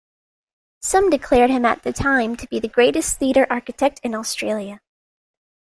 Some declared him at the time to be the greatest theatre architect in Australia.